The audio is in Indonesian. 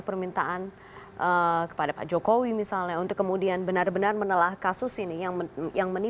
pertama sekali mas jokowi sudah bahwautsama pembangunan markas dengan luarjemah di rural indonesia